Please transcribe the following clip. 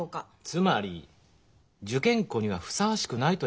つまり受験校にはふさわしくないということですよ。